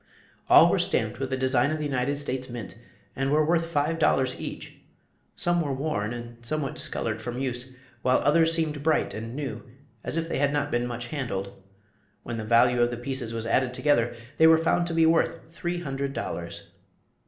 All were stamped with the design of the United States mint and were worth five dollars each. Some were worn and somewhat discolored from use, while others seemed bright and new, as if they had not been much handled. When the value of the pieces was added together they were found to be worth three hundred dollars.